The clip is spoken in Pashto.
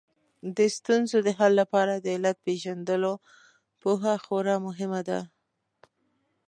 د ستونزو د حل لپاره د علت پېژندلو پوهه خورا مهمه ده